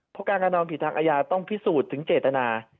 เพราะการกระทำผิดทางอาญาต้องพิสูจน์ถึงเจตนา